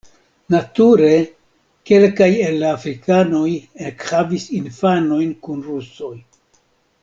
Nature kelkaj el la afrikanoj ekhavis infanojn kun rusoj.